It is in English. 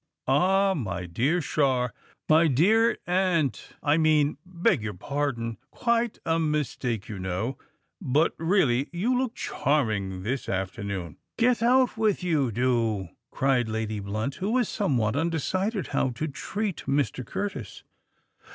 Ah! my dear Char——my dear aunt, I mean—beg your pardon—quite a mistake, you know;—but really you look charming this afternoon." "Get out with you, do!" cried Lady Blunt, who was somewhat undecided how to treat Mr. Curtis.